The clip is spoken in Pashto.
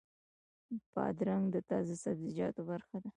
بادرنګ د تازه سبزیو برخه ده.